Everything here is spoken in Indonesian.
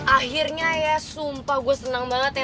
akhirnya ya sumpah gue senang banget ya